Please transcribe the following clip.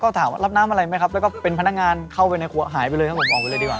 ก็ถามว่ารับน้ำอะไรไหมครับแล้วก็เป็นพนักงานเข้าไปในครัวหายไปเลยครับผมออกไปเลยดีกว่า